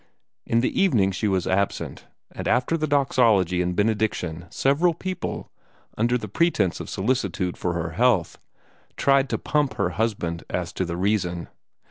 In the evening she was absent, and after the doxology and benediction several people, under the pretence of solicitude for her health, tried to pump her husband as to the reason.